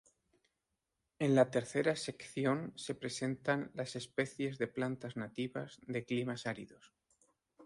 En la tercera sección se presentan las especies de plantas nativas de climas áridos.